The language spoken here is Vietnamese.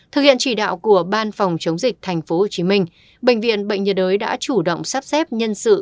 thực hiện chỉ đạo của ban phòng chống dịch tp hcm bệnh viện bệnh nhiệt đới đã chủ động sắp xếp nhân sự